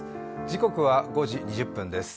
時刻は５時２０分です。